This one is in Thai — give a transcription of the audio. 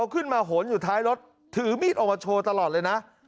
ขึ้นมาโหนอยู่ท้ายรถถือมีดออกมาโชว์ตลอดเลยนะ